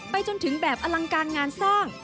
จนถึงแบบอลังการงานสร้าง